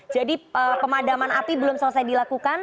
jadi pemadaman api belum selesai dilakukan